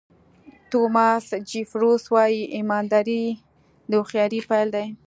توماس جیفرسون وایي ایمانداري د هوښیارۍ پیل دی.